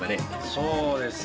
そうですね。